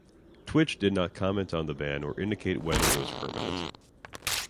Twitch did not comment on the ban or indicate whether it was permanent.